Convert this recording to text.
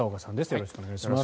よろしくお願いします。